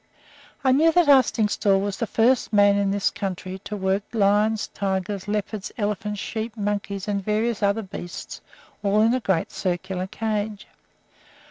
I knew that Arstingstall was the first man in this country to work lions, tigers, leopards, elephants, sheep, monkeys, and various other beasts all in a great circular cage.